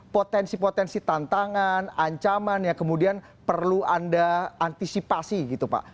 potensi potensi tantangan ancaman yang kemudian perlu anda antisipasi gitu pak